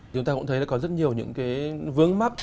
chúng ta cũng thấy là có rất nhiều những cái vướng mắt